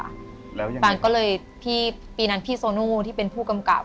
แล้วยังไงค่ะปีนั้นพี่โซนู่ที่เป็นผู้กำกับ